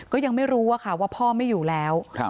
ก็ยังไม่รู้ว่าพ่อไม่อยู่แล้ว